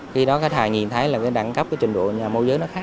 khi đó khách hàng nhìn thấy là cái đẳng cấp cái trình độ nhà môi giới nó khác